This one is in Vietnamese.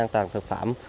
an toàn thực phẩm